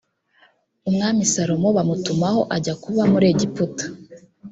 umwami salomo bamutumaho ajya kuba muri egiputa